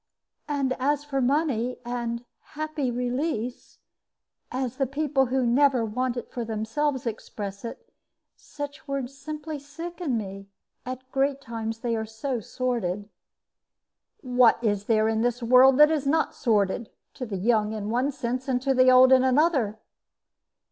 And as for money, and 'happy release' as the people who never want it for themselves express it such words simply sicken me; at great times they are so sordid." "What is there in this world that is not sordid to the young in one sense, and to the old in another?"